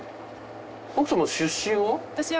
奥様出身は？